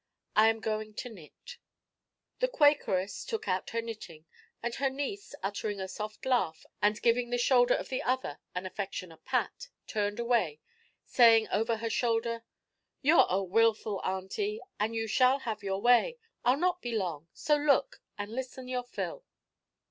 I am going to knit.' The Quakeress took out her knitting, and her niece, uttering a soft laugh, and giving the shoulder of the other an affectionate pat, turned away, saying over her shoulder: 'You're a wilful auntie, and you shall have your way. I'll not be long, so look and listen your fill.'